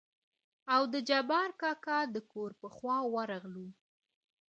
او د جبار کاکا دکور په خوا ورغلو.